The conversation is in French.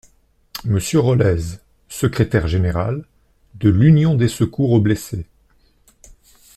Monsieur Rollez, secrétaire général, de l'Union des Secours aux Blessés.